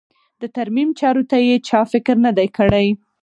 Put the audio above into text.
د ترمیم چارو ته یې چا فکر نه دی کړی.